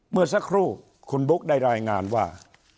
เมื่อสักครู่คุณบุ๊กได้รายงานว่า